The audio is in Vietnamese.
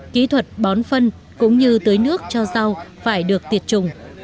kỹ thuật bón phân cũng như tưới nước cho rau phải được tiệt trùng